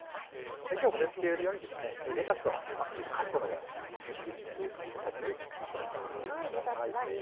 今日は盛り付け用にレタスをカップのようにちぎって皿にひいております。